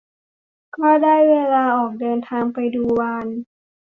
ก็ได้เวลาออกเดินทางไปดูวาฬ